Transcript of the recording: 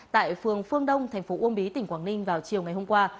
tại phường phương đông tp uông bí tỉnh quảng ninh vào chiều ngày hôm qua